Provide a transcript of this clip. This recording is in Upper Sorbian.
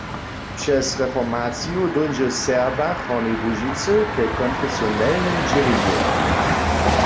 Přez reformaciju dóńdźe w Serbach w Hornjej Łužicy ke konfesionelnym dźělenju.